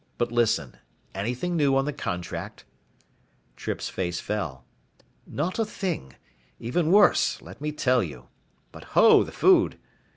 But listen, anything new on the contract?" Trippe's face fell. "Not a thing. Even worse. Let me tell you. But ho, the food."